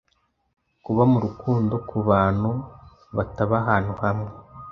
kuba mu rukundo ku bantu bataba ahantu hamwe